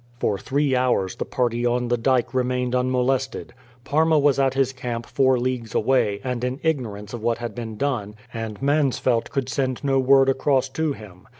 For three hours the party on the dyke remained unmolested. Parma was at his camp four leagues away, and in ignorance of what had been done, and Mansfeldt could send no word across to him.